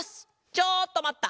ちょっとまった！